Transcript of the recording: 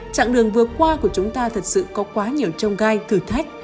trạng đường vừa qua của chúng ta thật sự có quá nhiều trông gai thử thách